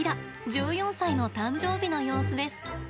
１４歳の誕生日の様子です。